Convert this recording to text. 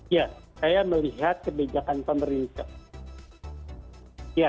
ya saya melihat kebijakan pemerintah